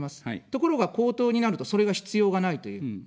ところが公党になると、それが必要がないという。